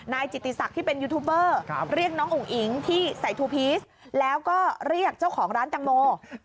จิตติศักดิ์ที่เป็นยูทูบเบอร์เรียกน้องอุ๋งอิ๋งที่ใส่ทูพีชแล้วก็เรียกเจ้าของร้านแตงโม